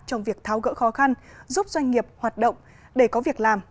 trong việc tháo gỡ khó khăn giúp doanh nghiệp hoạt động để có việc làm